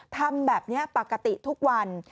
ทำแบบนี้ปกติทุกวัน